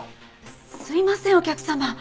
すいませんお客様。